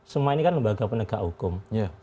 semua ini kan lembaga penegak hukum